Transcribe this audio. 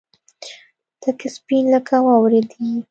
تک سپين لکه واورې دي.